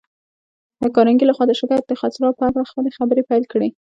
د کارنګي لهخوا د شرکت د خرڅلاو په هکله خپلې خبرې پيل کړې.